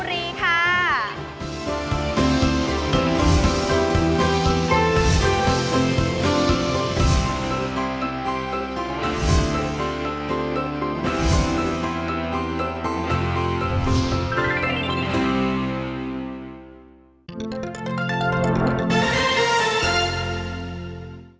โปรดติดตามตอนต่อไป